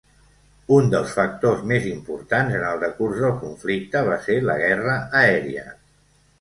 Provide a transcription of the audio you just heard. Un dels factors més importants en el decurs del conflicte va ser la guerra aèria.